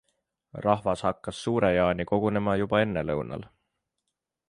Rahvas hakkas Suure-Jaani kogunema juba ennelõunal.